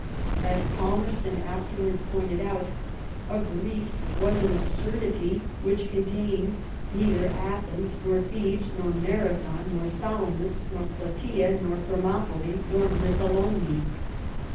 As Palmerston afterwards pointed out, a Greece was an absurdity which contained "neither Atheps, nor Thebes, nor Marathon, nor Salamis, nor Platsea, nor Thermopyl»> nor Missalonghi."